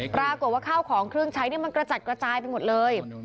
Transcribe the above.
ปรากฏว่าข้าวของเครื่องใช้มันกระจัดกระจายไปหมดเลย